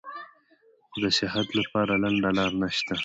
خو د صحت له پاره لنډه لار نشته -